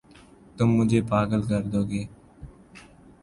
تم مجھے پاگل کر دو گے